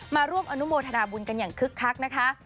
มาร่วมอนุโมทนาบุญกันอย่างคึกคักนะคะ